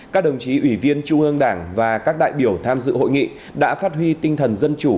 các đồng chí ủy viên trung ương đảng và các đại biểu tham dự hội nghị đã phát huy tinh thần dân chủ